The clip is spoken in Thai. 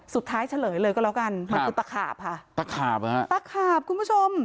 สุดท้ายเฉลยเลยก็แล้วกันมันคือตะขาบค่ะตะขาบค่ะตะขาบคุณผู้ชม